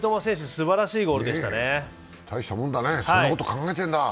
すばらしいゴールでした。